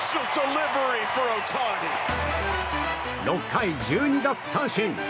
６回１２奪三振。